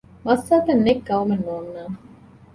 މައްސަލަތައް ނެތް ގައުމެއް ނޯންނާނެ